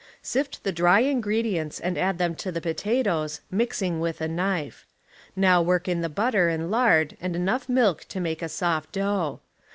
Sift the dry ingredients and add them to the potatoes, mixing with a knife. Now work in the butter and lard and enough milk to make a soft dough.